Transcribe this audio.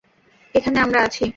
এখানে আমরা আছি।